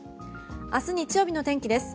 明日日曜日の天気です。